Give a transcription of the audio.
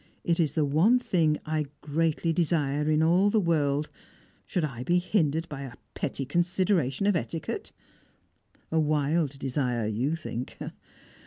It is the one thing I greatly desire in all the world, shall I be hindered by a petty consideration of etiquette? A wild desire you think.